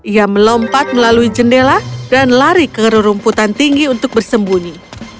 ia melompat melalui jendela dan lari ke rumputan tinggi untuk bersembunyi